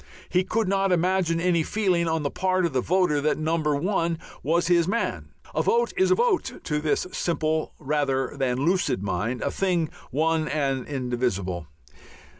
He could not imagine any feeling on the part of the voter that No. 1 was his man. A vote is a vote to this simple rather than lucid mind, a thing one and indivisible.